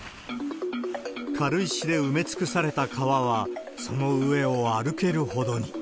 軽石で埋め尽くされた川は、その上を歩けるほどに。